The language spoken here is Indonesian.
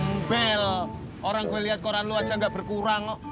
ambil orang gue liat koran lu aja gak berkurang kok